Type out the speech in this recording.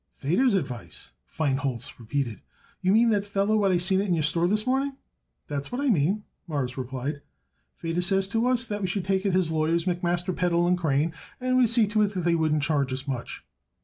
"Feder's advice?" Feinholz repeated. "You mean that feller what I seen it in your store this morning?" "That's what I mean," Morris replied. "Feder says to us we should take it his lawyers, McMaster, Peddle & Crane, and he would see to it that they wouldn't charge us much."